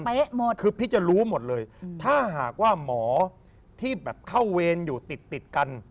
หมดคือพี่จะรู้หมดเลยถ้าหากว่าหมอที่แบบเข้าเวรอยู่ติดติดกัน